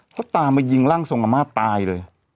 เขาตามมายิงร่างทรงอาม่าตายเลย